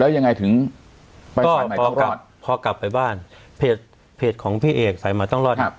แล้วยังไงถึงไปสายใหม่ต้องรอดก็พอกลับไปบ้านเพจของพี่เอกสายใหม่ต้องรอด